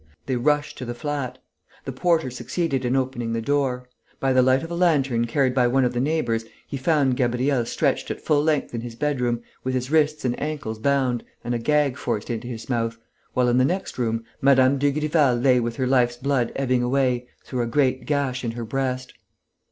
They rushed to the flat. The porter succeeded in opening the door. By the light of a lantern carried by one of the neighbours, he found Gabriel stretched at full length in his bedroom, with his wrists and ankles bound and a gag forced into his mouth, while, in the next room, Mme. Dugrival lay with her life's blood ebbing away through a great gash in her breast.